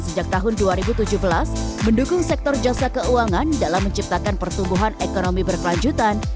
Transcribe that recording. sejak tahun dua ribu tujuh belas mendukung sektor jasa keuangan dalam menciptakan pertumbuhan ekonomi berkelanjutan